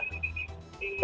iya trading ya